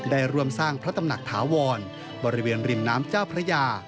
ได้ร่วมสร้างพระตำหนักถาวรบริเวณริมน้ำเจ้าพระยา